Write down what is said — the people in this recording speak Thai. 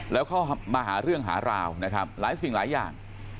แล้วเข้ามาหาเรื่องหาราวนะครับหลายสิ่งหลายอย่าง